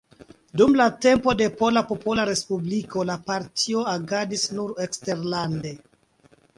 Dum la tempo de Pola Popola Respubliko la partio agadis nur eksterlande.